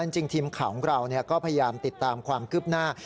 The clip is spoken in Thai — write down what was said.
จริงทีมข่าวของเราก็พยายามติดตามความคืบหน้า